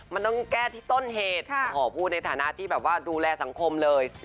มันต้องแก้ที่ต้นเหตุขอพูดในฐานะที่แบบว่าดูแลสังคมเลย